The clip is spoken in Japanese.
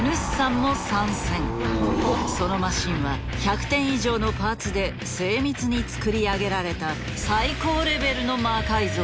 そのマシンは１００点以上のパーツで精密に作り上げられた最高レベルの魔改造だった。